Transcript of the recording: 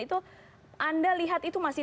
itu anda lihat itu masih